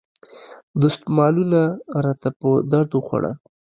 دستمالونو راته په درد وخوړل.